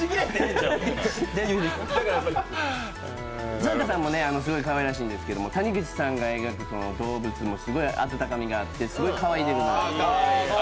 サンタさんもすごいかわいらしいんですけれども、谷口さんが描く動物もすごく温かみがあって、すごいかわいいので。